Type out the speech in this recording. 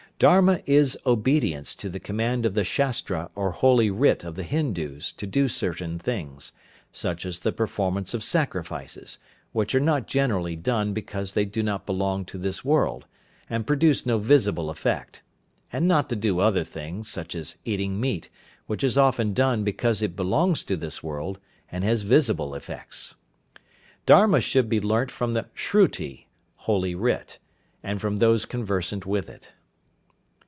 Dharma is obedience to the command of the Shastra or Holy Writ of the Hindoos to do certain things, such as the performance of sacrifices, which are not generally done because they do not belong to this world, and produce no visible effect; and not to do other things, such as eating meat, which is often done because it belongs to this world, and has visible effects. Dharma should be learnt from the Shruti (Holy Writ), and from those conversant with it.